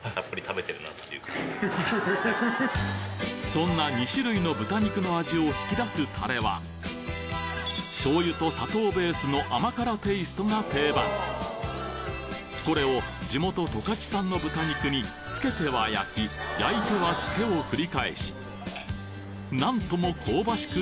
そんな２種類の豚肉の味を引き出すタレは醤油と砂糖ベースの甘辛テイストが定番これを地元十勝産の豚肉につけては焼き焼いてはつけを繰り返しなんとも香ばしく